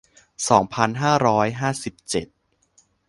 สองพันห้าร้อยห้าสิบเจ็ด